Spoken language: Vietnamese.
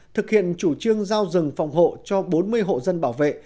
thực hiện chủ trương giao rừng phòng hộ cho bốn mươi hộ dân bảo vệ